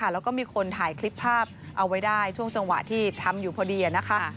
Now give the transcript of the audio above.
แล้วก็มีคนถ่ายคลิปภาพเอาไว้ได้ช่วงจังหวะที่ทำอยู่พอดีนะคะ